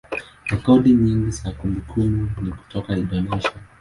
rekodi nyingi za kumbukumbu ni kutoka Indonesia.